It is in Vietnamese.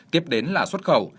tiếp đến là xuất khẩu